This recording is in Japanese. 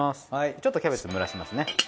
ちょっとキャベツ蒸らしますね。